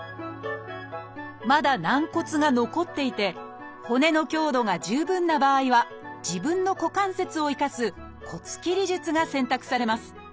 まだ軟骨が残っていて骨の強度が十分な場合は自分の股関節を生かす骨切り術が選択されます。